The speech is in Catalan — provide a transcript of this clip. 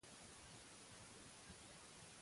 I què va establir el sobirà Georgui?